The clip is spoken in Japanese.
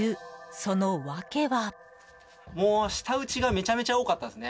その訳は。